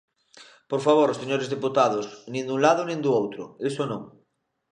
Por favor, señores deputados, nin dun lado nin do outro, iso non.